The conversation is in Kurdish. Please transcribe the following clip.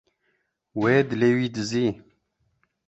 Wê dilê wî dizî.